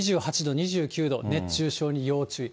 ２８度、２９度、熱中症に要注意。